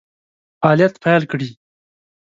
فعالیت پیل کړي.